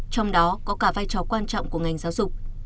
trong đó có cả vai trò quan trọng của ngành giáo dục